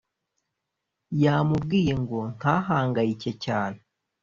yamubwiye ngo ntahangayike cyane